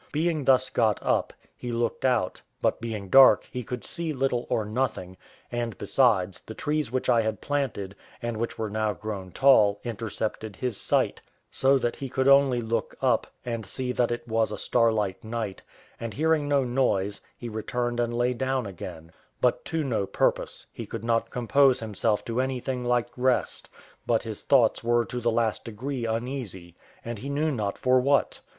Being thus got up, he looked out; but being dark, he could see little or nothing, and besides, the trees which I had planted, and which were now grown tall, intercepted his sight, so that he could only look up, and see that it was a starlight night, and hearing no noise, he returned and lay down again; but to no purpose; he could not compose himself to anything like rest; but his thoughts were to the last degree uneasy, and he knew not for what.